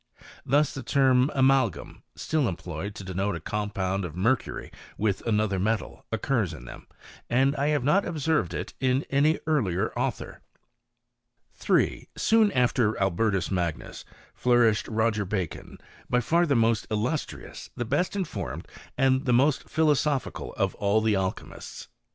Thus the term amalgam, still em iloyed to denote a compound of mercury with another aetal, occurs in them, and I have not observed it in iny earlier author. 3. Soon after Albertus Magnus, flourished Roger 3acon, by far the most illustrious, the best informed, md the most philosophical of all the alchymists.